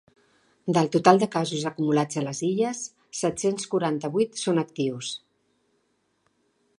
Del total de casos acumulats a les Illes, set-cents quaranta-vuit són actius.